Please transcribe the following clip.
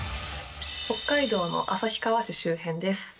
北海道の旭川市周辺です。